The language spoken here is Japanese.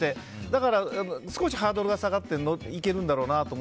だから、ハードルが少し下がっていけるんだろうなって。